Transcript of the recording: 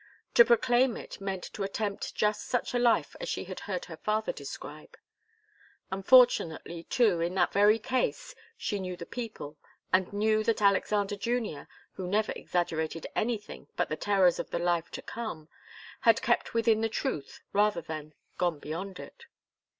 To proclaim it meant to attempt just such a life as she had heard her father describe. Unfortunately, too, in that very case, she knew the people, and knew that Alexander Junior, who never exaggerated anything but the terrors of the life to come, had kept within the truth rather than gone beyond it.